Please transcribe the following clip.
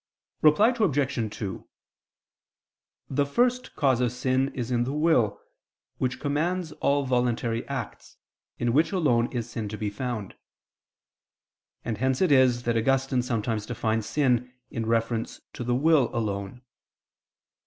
Reply Obj. 2: The first cause of sin is in the will, which commands all voluntary acts, in which alone is sin to be found: and hence it is that Augustine sometimes defines sin in reference to the will alone.